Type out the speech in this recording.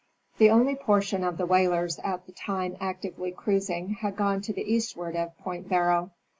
The only portion of the whalers at the time actively cruising had gone to the eastward of Point Barrow.